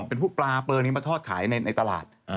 เป็นผู้ปลาเปิงมาทอดขายในตลาด